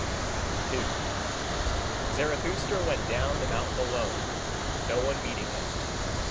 2. Zarathustra went down the mountain alone, no one meeting him.